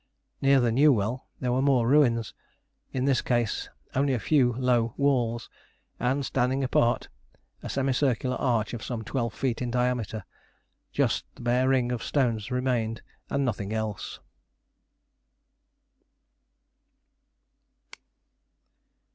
Near the new well there were more ruins, in this case only a few low walls, and, standing apart, a semicircular arch of some twelve feet in diameter just the bare ring of stones remained and nothing else.